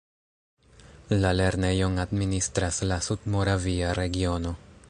La lernejon administras la Sudmoravia regiono.